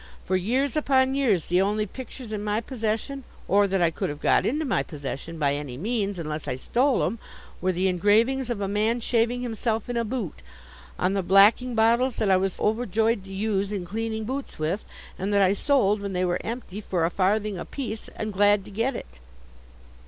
For years upon years, the only pictures in my possession, or that I could have got into my possession, by any means, unless I stole 'em, were the engravings of a man shaving himself in a boot, on the blacking bottles that I was overjoyed to use in cleaning boots with, and that I sold when they were empty for a farthing a piece, and glad to get it!